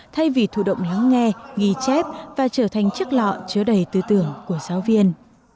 thay vì thụ động lắng nghe ghi chép và trở thành chiếc lọ chứa đầy tư tưởng của giáo viên